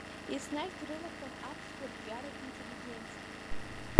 Еснагь дрылахәын аԥсуа рҿиаратә интеллигенциа.